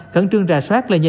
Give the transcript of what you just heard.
gắn trương rà soát lên dịch bệnh